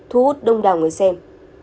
thu hút đông đào người xem